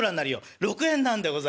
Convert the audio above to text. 「６円なんでございますええ。